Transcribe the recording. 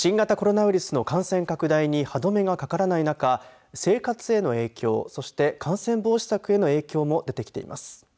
新型コロナウイルスの感染拡大に歯止めがかからない中生活への影響、そして感染防止策への影響も出てきています。